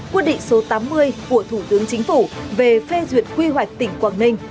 quyết định số tám mươi của thủ tướng chính phủ về phê duyệt quy hoạch tỉnh quảng ninh